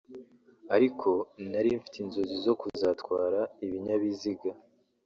ariko nari mfite inzozi zo kuzatwara ibinyabiziga